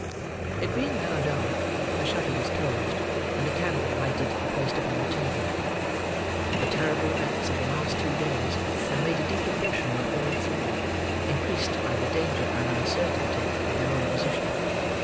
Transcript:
It being now dark, the shutter was closed, and a candle lighted and placed upon the table. The terrible events of the last two days had made a deep impression on all three, increased by the danger and uncertainty of their own position.